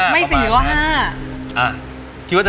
ไม่๔หรือว่า๕